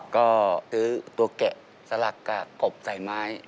ก็ซื้อตัวแกะสลักกับกบใส่ไม้